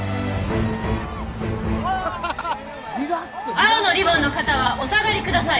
青のリボンの方はお下がりください